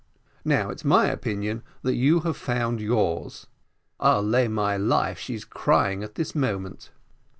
Now, it's my opinion that you have found yours I'll lay my life she's crying at this moment."